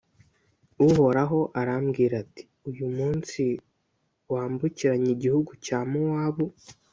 uhoraho arambwira ati «uyu munsi wambukiranye igihugu cya mowabu,